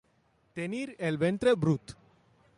Tenir el ventre brut.